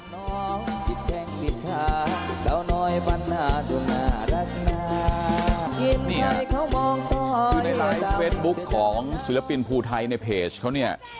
คือในไลฟ์เฟสบุ๊คของศิลปินภูไทยในเพจเขาเนี่ย